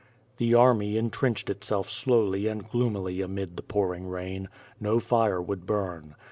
The army intrenched itself slowly and gloomily amid the pouring rain. No fire would burn.